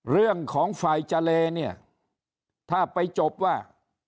เรื่องของฝ่ายเจเลเนี่ยถ้าไปจบว่า